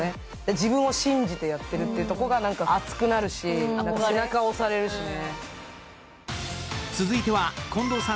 自分を信じてやってるってところが熱くなるし、背中を押されるしね。